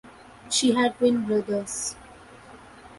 She had twin brothers.